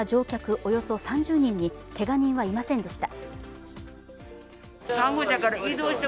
およそ３０人にけが人はいませんでした。